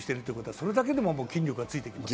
それだけでも筋肉がつきます。